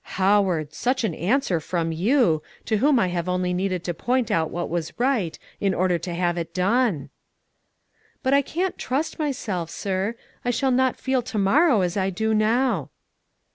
"Howard! such an answer from you, to whom I have only needed to point out what was right, in order to have it done!" "But I can't trust myself, sir; I shall not feel to morrow as I do now."